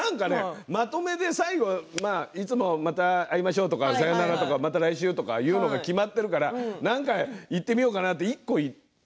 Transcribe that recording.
まとめて最後は、いつもまた会いましょうとかまた来週と言うのが決まっているから、何か言ってみようかなって言って。